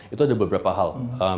itu ada beberapa hal